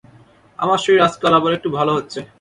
আমার শরীর আজকাল আবার একটু ভাল হচ্ছে।